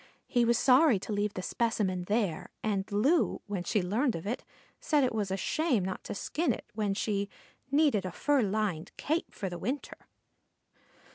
He was sorry to leave the specimen there, and Loo, when she learned of it, said it was a shame not to skin it when she "needed a fur lined cape for the winter."